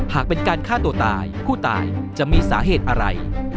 หากเป็นการฆ่าตัวตายผู้ตายจะมีสาเหตุอะไร